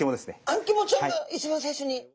あん肝ちゃんが一番最初に。